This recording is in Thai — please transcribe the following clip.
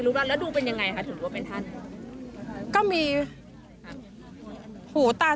อยู่ตรงนี้แต่ว่ายิงกล้องไปทางไหนบ้าง